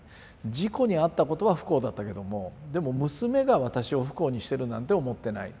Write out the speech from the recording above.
事故に遭ったことは不幸だったけどもでも娘が私を不幸にしてるなんて思ってない。